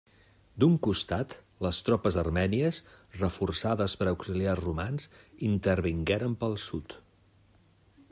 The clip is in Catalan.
D'un costat, les tropes armènies, reforçades per auxiliars romans, intervingueren pel sud.